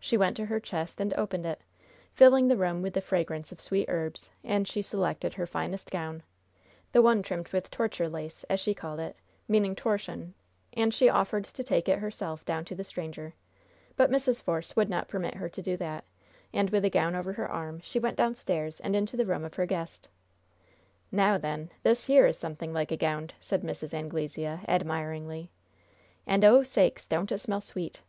She went to her chest and opened it, filling the room with the fragrance of sweet herbs, and she selected her finest gown, "the one trimmed with torture lace," as she called it, meaning torchon, and she offered to take it herself down to the stranger. But Mrs. Force would not permit her to do that, and, with the gown over her arm, she went downstairs and into the room of her guest. "Now, then, this here is something like a gownd," said Mrs. Anglesea, admiringly. "And, oh, sakes! don't it smell sweet!